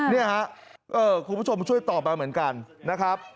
เนี่ยฮะคุณผู้ชมช่วยตอบมาเหมือนกันนะครับ